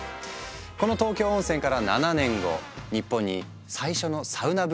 この東京温泉から７年後日本に最初のサウナブームがやってくる。